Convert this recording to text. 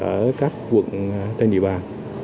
ở các quận trên địa bàn